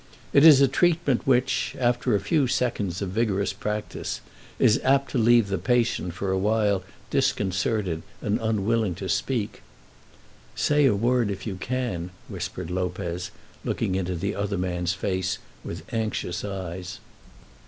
It is a treatment which, after a few seconds of vigorous practice, is apt to leave the patient for a while disconcerted and unwilling to speak. "Say a word if you can," whispered Lopez, looking into the other man's face with anxious eyes.